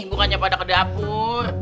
bukannya pada ke dapur